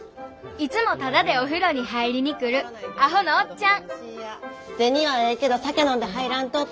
いつもタダでお風呂に入りに来るアホのおっちゃん銭はええけど酒飲んで入らんとって。